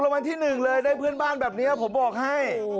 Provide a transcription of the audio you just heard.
รางวัลที่หนึ่งเลยได้เพื่อนบ้านแบบนี้ผมบอกให้